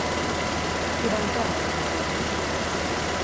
Qui va entrar a la presó?